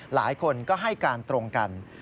หลายคนก็ให้การตรงกัน